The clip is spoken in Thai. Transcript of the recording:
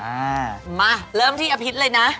มาไปเริ่มที่อภิษฐ์เลยนะ